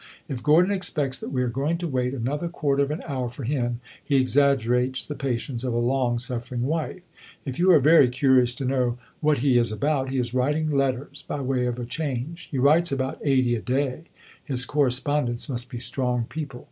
If Gordon expects that we are going to wait another quarter of an hour for him he exaggerates the patience of a long suffering wife. If you are very curious to know what he is about, he is writing letters, by way of a change. He writes about eighty a day; his correspondents must be strong people!